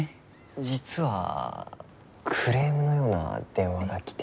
実はクレームのような電話が来てて。